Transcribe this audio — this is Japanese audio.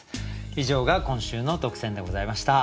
以上が今週の特選でございました。